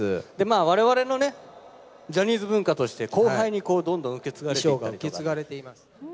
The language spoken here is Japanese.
われわれのジャニーズ文化として、後輩にどんどん受け継がれています。